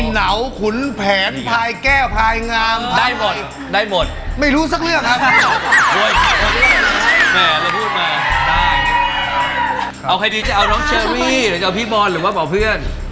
หรือจะเอาพี่บอลหรือว่าพอเพื่อน